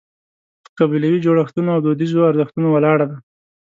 په قبیلوي جوړښتونو او دودیزو ارزښتونو ولاړه ده.